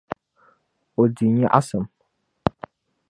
O di nyaɣisim.